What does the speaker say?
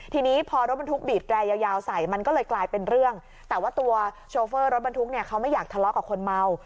ทีนี้พอรถบรรทุกบีบแรยาวใส่มันก็เลยกลายเป็นเรื่องแต่ว่าตัวโชเฟอร์รถบรรทุกเนี่ยเขาไม่อยากทะเลาะกับคนเมา